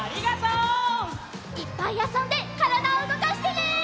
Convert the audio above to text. いっぱいあそんでからだをうごかしてね！